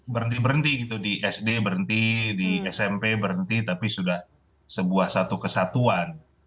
berhenti berhenti gitu di sd berhenti di smp berhenti tapi sudah sebuah satu kesatuan